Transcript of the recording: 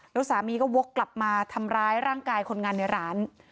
แล้วสามีก็วกกลับมาทำร้ายร่างกายคนงานในร้าน